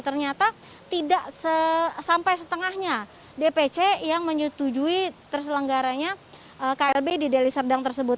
ternyata tidak sampai setengahnya dpc yang menyetujui terselenggaranya klb di deli serdang tersebut